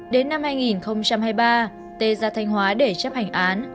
đến năm hai nghìn hai mươi ba t ra thanh hóa để chấp hành án